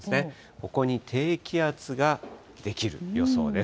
ここに低気圧ができる予想です。